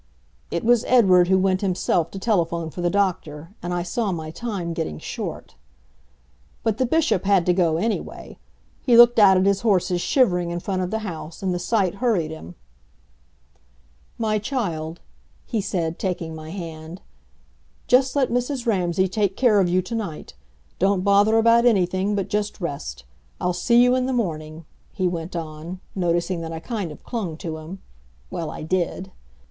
It was Edward who went himself to telephone for the doctor, and I saw my time getting short. But the Bishop had to go, anyway. He looked out at his horses shivering in front of the house, and the sight hurried him. "My child," he said, taking my hand, "just let Mrs. Ramsay take care of you to night. Don't bother about anything, but just rest. I'll see you in the morning," he went on, noticing that I kind of clung to him. Well, I did.